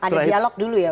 ada dialog dulu ya